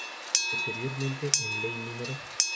Posteriormente en ley No.